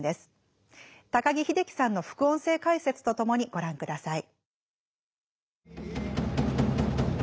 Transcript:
高木秀樹さんの副音声解説と共にご覧ください。